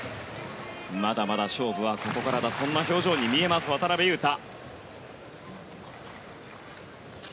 まだまだ勝負はここからだそんな表情に見えます渡辺勇大。